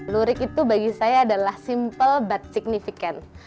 lurik itu bagi saya adalah simple but signifikan